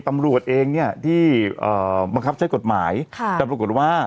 ตำรวจเองเนี่ยที่บังคับใช้กฎหมายแต่ปรากฏว่า